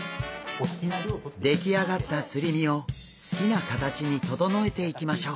出来上がったすり身を好きな形に整えていきましょう。